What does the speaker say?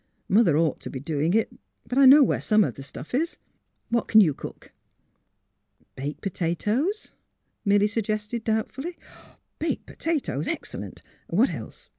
Mother ought to be doing it ; but I know where some of the stuff is. What can you cook? "^' Baked potatoes," Milly suggested, doubt fully. " Baked potatoes — excellent! What else?